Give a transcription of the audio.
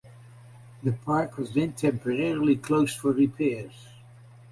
The park was then temporarily closed for repairs.